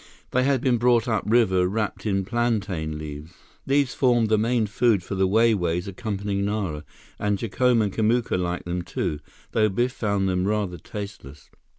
They had been brought upriver wrapped in plantain leaves. These formed the main food for the Wai Wais accompanying Nara, and Jacome and Kamuka liked them too, though Biff found them rather tasteless.